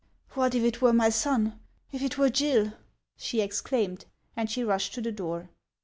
" What if it were my son, if it were Gill !:' she ex claimed ; and she rushed to the door.